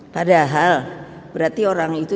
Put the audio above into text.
padahal berarti orang itu